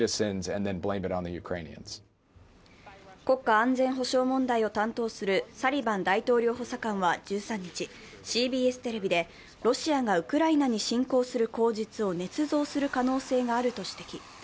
国家安全保障問題を担当するサリバン大統領補佐官は１３日、ＣＢＳテレビでロシアがウクライナに侵攻する口実をねつ造する可能性があると指摘。